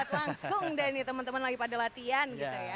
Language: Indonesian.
langsung deh nih teman teman lagi pada latihan